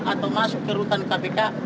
atau masuk ke rutan kpk